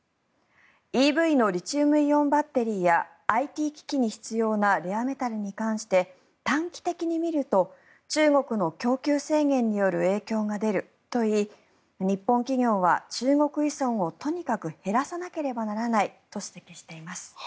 ＥＶのリチウムイオンバッテリーやＩＴ機器に必要なレアメタルに関して短期的に見ると中国の供給制限による影響が出るといい日本企業は中国依存をとにかく減らさなければならないと指摘しています。